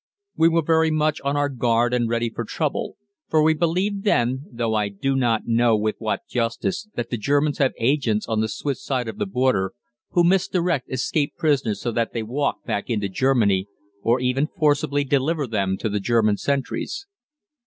We were very much on our guard and ready for trouble, for we believed then, though I do not know with what justice, that the Germans have agents on the Swiss side of the border who misdirect escaped prisoners so that they walk back into Germany, or even forcibly deliver them to the German sentries.